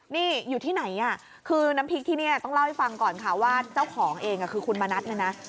นี่อยู่ที่ไหนคือน้ำพริกที่นี่ต้องเล่าให้ฟังก่อนค่ะว่าเจ้าของเองคือคุณมณัฐเนี่ยนะ